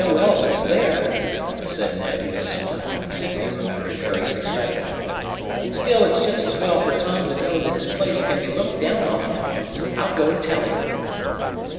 "No elephants there," said Ned, with a smile, as he remembered Harry's excitement. "Still it's just as well for Tom to know that his place can be looked down on. I'll go and tell him."